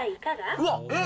うわっ、えっ？